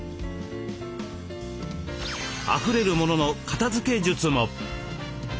あふれる物の片づけ術も。